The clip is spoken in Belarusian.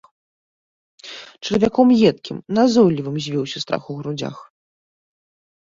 Чарвяком едкім, назойлівым звіўся страх у грудзях.